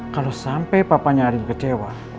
kalau sampai papanya ada kecewa